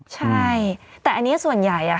ใช่แต่อันนี้ส่วนใหญ่